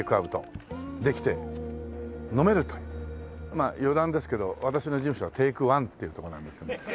まあ余談ですけど私の事務所はテイクワンっていうとこなんです。